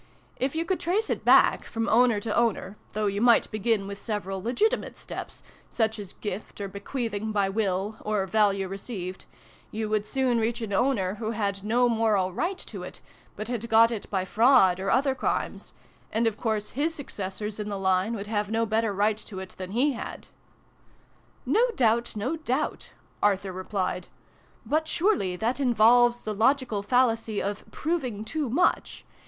If you could trace it back, from owner to owner, though you might begin with several legitimate steps, such as gift, or bequeathing in] STREAKS OF DAWN. 41 by will, or ' value received,' you would soon reach an owner who had no moral right to it, but had got it by fraud or other crimes ; and of course his successors in the line would have no better right to it than he had." " No doubt, no doubt," Arthur replied. " But surely that involves the logical fallacy of proving too much